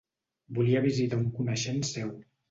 Volia visitar un coneixent seu.